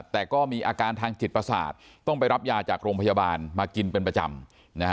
แต่ก็มีอาการทางจิตประสาทต้องไปรับยาจากโรงพยาบาลมากินเป็นประจำ